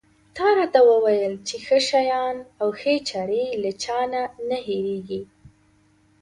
تا راته وویل چې ښه شیان او ښې چارې له چا نه نه هېرېږي.